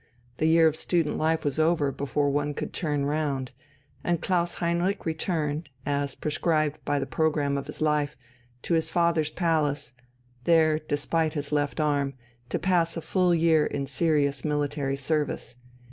The year of student life was over before one could turn round, and Klaus Heinrich returned, as prescribed by the programme of his life, to his father's palace, there, despite his left arm, to pass a full year in serious military service.